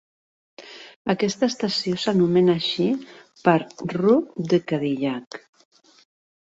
Aquesta estació s'anomena així per "rue de Cadillac".